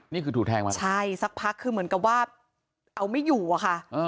นี่คือถูกแทงมาใช่สักพักคือเหมือนกับว่าเอาไม่อยู่อะค่ะ